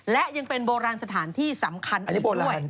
และยังเป็นโบราณสถานที่สำคัญอันนี้บนด้วย